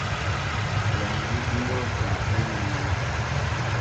Wăngú i mú akā ayê ná máná.